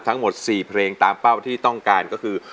ทั้งหมด๔เพลงตามเป้าที่ต้องการก็คือ